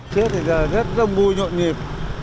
tết thì giờ rất rông bui nhộn nhịp